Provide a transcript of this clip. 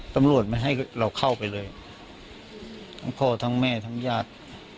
ตำรวจไม่ให้เราเข้าไปเลยทั้งพ่อทั้งแม่ทั้งญาติ